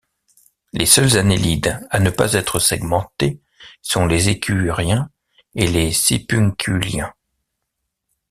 Les seuls annélides à ne pas être segmentés sont les échiuriens et les sipunculiens.